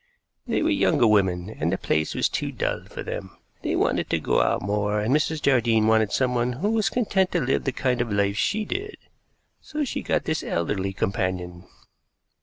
They were younger women, and the place was too dull for them. They wanted to go out more, and Mrs. Jardine wanted someone who was content to live the kind of life she did. So she got this elderly companion."